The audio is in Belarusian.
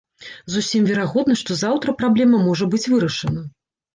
Зусім верагодна, што заўтра праблема можа быць вырашана.